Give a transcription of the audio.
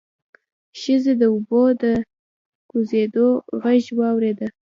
ښځې د اوبو د کوزېدو غږ واورېد.